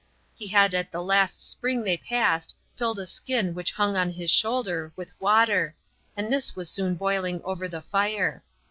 He had at the last spring they passed filled a skin which hung on his shoulder with water, and this was soon boiling over the fire.